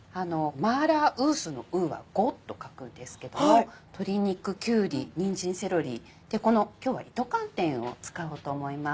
麻辣五絲の「五」は「五」と書くんですけども鶏肉きゅうりにんじんセロリでこの今日は糸寒天を使おうと思います。